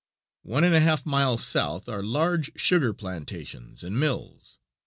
One and a half miles south are large sugar plantations and mills.